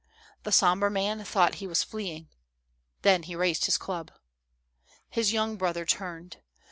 The sombre man thought he was fleeing. Then, he raised his club. "His young brother turned.